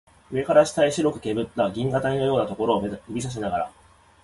上から下へ白くけぶった銀河帯のようなところを指さしながら